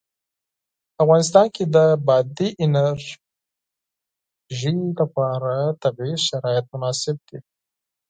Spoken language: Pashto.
په افغانستان کې د بادي انرژي لپاره طبیعي شرایط مناسب دي.